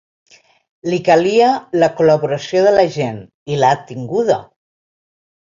Li calia la col·laboració de la gent, i l’ha tinguda.